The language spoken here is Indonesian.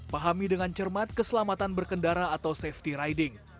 pahami dengan cermat keselamatan berkendara atau safety riding